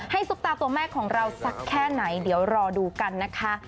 ซุปตาตัวแม่ของเราสักแค่ไหนเดี๋ยวรอดูกันนะคะ